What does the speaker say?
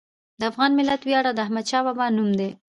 د افغان ملت ویاړ د احمدشاه بابا نوم دی.